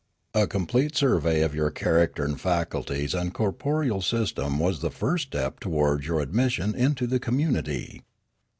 A complete survey of your character and faculties and corporeal system was the first step towards your admission into the community.